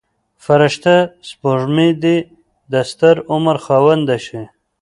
فرشته سپوږمۍ د دستر عمر خاونده شي.